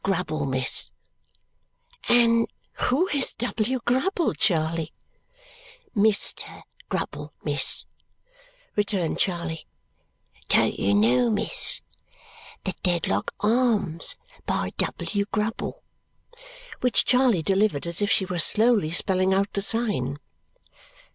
Grubble, miss." "And who is W. Grubble, Charley?" "Mister Grubble, miss," returned Charley. "Don't you know, miss? The Dedlock Arms, by W. Grubble," which Charley delivered as if she were slowly spelling out the sign.